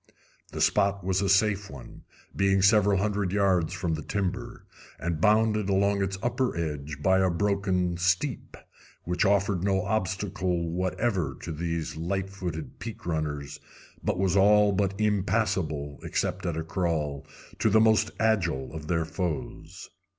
The spot was a safe one, being several hundred yards from the timber, and bounded along its upper edge by a broken steep, which offered no obstacle whatever to these light footed peak runners, but was all but impassable, except at a crawl, to the most agile of their foes.